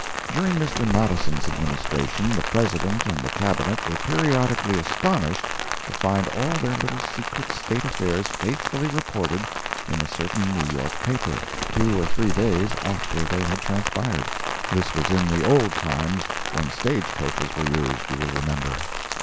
During Mr. Madison's Administration the President and the Cabinet were periodically astonished to find all their little secret state affairs faithfully reported in a certain New York paper, two or three days after they had transpired—this was in the old times, when stage coaches were used, you will remember.